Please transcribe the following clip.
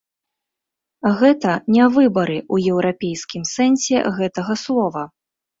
Гэта не выбары ў еўрапейскім сэнсе гэтага слова.